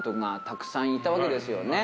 たくさんいたわけですよね。